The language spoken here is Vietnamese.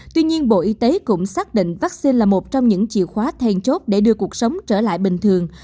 tuy nhiên bộ y tế cũng xác định vaccine là một trong những chìa khóa then chốt để đưa cuộc sống trở lại bình thường